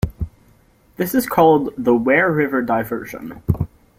This is called the Ware River Diversion.